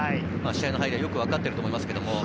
試合の入りがよく分かってると思います。